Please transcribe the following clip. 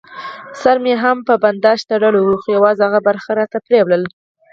سر مې هم په بنداژ تړلی و، خو یوازې یې هغه برخه راته پرېولل.